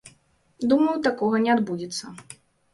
Думаю, такога не адбудзецца.